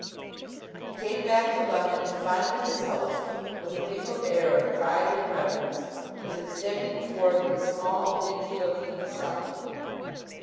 He came back to London to find that his host, with a mingled air of pride and reverence, was extending toward him a small, dingy looking something.